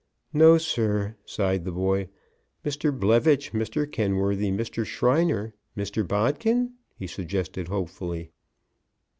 "No, sir," sighed the boy. "Mr. Blevitch, Mr. Kenworthy, Mr. Shriner, Mr. Bodkin?" he suggested, hopefully.